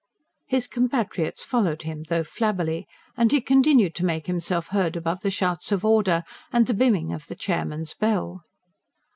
His compatriots followed him, though flabbily; and he continued to make himself heard above the shouts of "Order!" and the bimming of the chairman's bell.